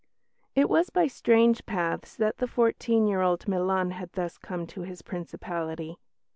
It was by strange paths that the fourteen year old Milan had thus come to his Principality.